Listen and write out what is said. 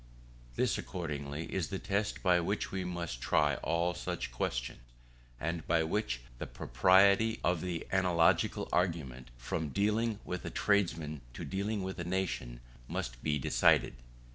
This accordingly is the test by which we must try all such questions, and by which the propriety of the analogical argument, from dealing with a tradesman to dealing with a nation, must be decided.